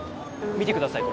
見てください